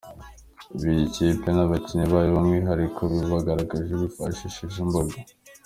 biyi kipe nabakinnyi bayo byumwihariko babigaragaje bifashishije imbuga.